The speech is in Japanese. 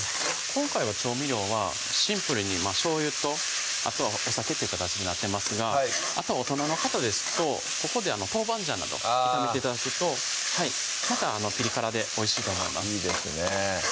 今回の調味料はシンプルにしょうゆとあとはお酒という形になってますがあとは大人の方ですとここでトウバンジャンなど炒めて頂くとまたピリ辛でおいしいと思いますいいですね